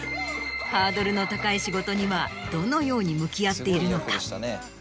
ハードルの高い仕事にはどのように向き合っているのか？